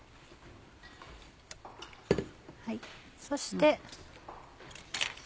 そして。